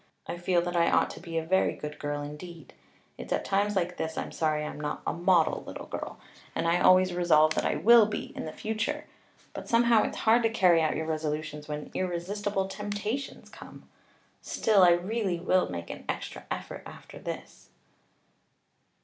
I feel that I ought to be a very good girl indeed. It's at times like this I'm sorry I'm not a model little girl; and I always resolve that I will be in future. But somehow it's hard to carry out your resolutions when irresistible temptations come. Still, I really will make an extra effort after this."